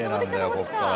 ここから。